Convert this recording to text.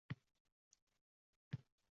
Oila muqaddas deb bilinadi.